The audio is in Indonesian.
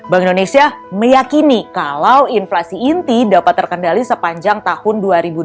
bank indonesia meyakini kalau inflasi inti dapat terkendali sepanjang tahun dua ribu dua puluh